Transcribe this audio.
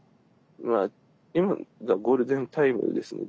まあ今がゴールデンタイムですね。